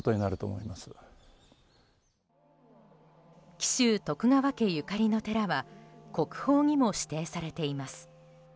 紀州徳川家ゆかりの寺は国宝にも指定されています。